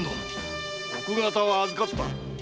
⁉奥方は預かった。